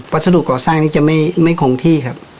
สดุก่อสร้างนี่จะไม่คงที่ครับ